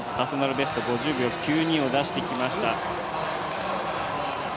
ベスト５０秒９２を出してきました。